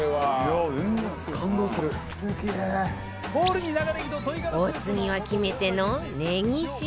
お次は決め手のねぎ塩ダレ作り